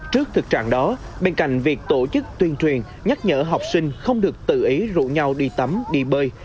trước thực trạng đó bên cạnh việc tổ chức tuyên truyền nhắc nhở học sinh không được tự ý rủ nhau đi tắm đi bơi